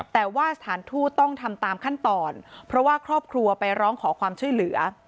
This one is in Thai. แต่ว่าสถานทูตต้องทำตามขั้นตอนเพราะว่าครอบครัวไปร้องขอความช่วยเหลือ